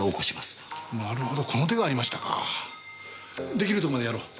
出来るところまでやろう。